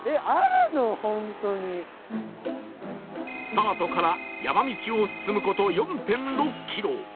スタートから山道を進む事 ４．６ キロ